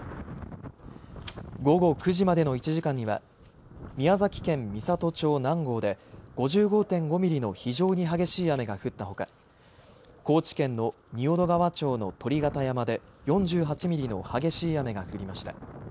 午後９時までの１時間には宮崎県美郷町南郷で５５．５ミリの非常に激しい雨が降ったほか高知県の仁淀川町の鳥形山で４８ミリの激しい雨が降りました。